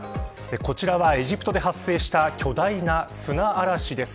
こちらはエジプトで発生した巨大な砂嵐です。